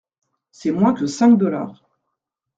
C’est moins que cinq dollars.